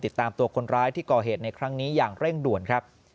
ติดตามตัวคนร้ายที่ก่อเหตุในครั้งนี้อย่างเร่งด่วนครับ